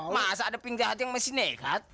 masa ada penjahat yang masih nekat